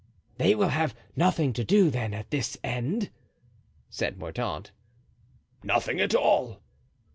"They will have nothing to do, then at this end?" said Mordaunt. "Nothing at all."